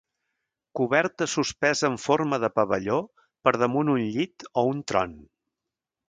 Coberta suspesa en forma de pavelló per damunt un llit o un tron.